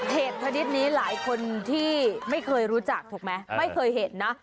ชนิดนี้หลายคนที่ไม่เคยรู้จักถูกไหมไม่เคยเห็นนะ